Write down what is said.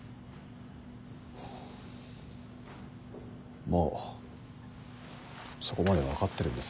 もうそこまで分かってるんですね。